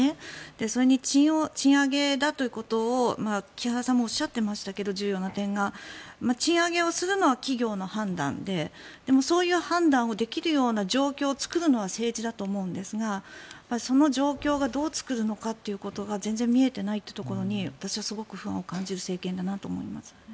それに重要な点は賃上げだということを木原さんもおっしゃっていましたけど賃上げをするのは企業の判断ででもそういう判断ができるような状況を作るのは政治だと思うんですがその状況がどう作るのかということが全然見えてないというところに私はすごく不安を感じる政権だなと思います。